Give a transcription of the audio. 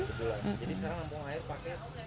jadi sekarang nampung air pakai